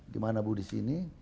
gimana bu di sini